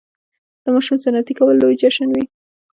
د ماشوم سنتي کول لوی جشن وي.